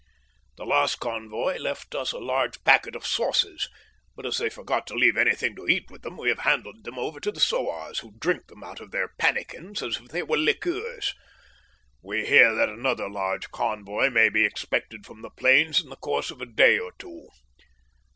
The last convoy left us a large packet of sauces, but as they forgot to leave anything to eat with them, we have handed them over to the Sowars, who drink them out of their pannikins as if they were liqueurs. We hear that another large convoy may be expected from the plains in the course of a day or two.